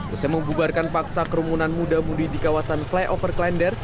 usai membubarkan paksa kerumunan muda mudi di kawasan flyover klender